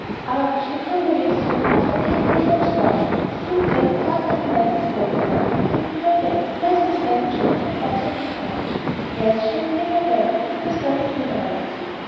Ah, she had driven away soon after they had themselves gone. A thin faced, dark eyed man had called for her and taken her away, placing her baggage on the box of the carriage. Yes, she had paid her bill and tipped the servants liberally.